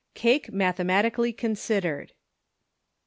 CAKE MATHEMATICALLY CONSIDERED.